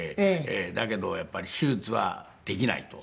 だけどやっぱり手術はできないと。